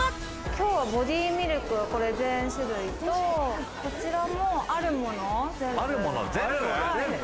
今日はボディミルク、これ全種類と、こちらもあるもの全部。